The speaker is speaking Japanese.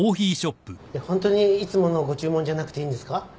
ホントにいつものご注文じゃなくていいんですか？